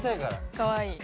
かわいい。